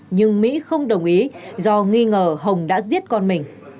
nhưng mỹ không đồng ý do nghi ngờ hồng đã giết con mình